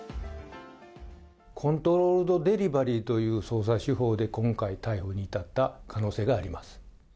コントロールド・デリバリーという捜査手法で今回、逮捕に至った可能性があります。